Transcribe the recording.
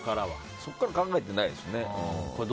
そこから考えてないですね。